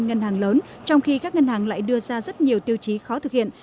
ngân hàng lớn trong khi các ngân hàng lại đưa ra rất nhiều tiêu chí khó thực hiện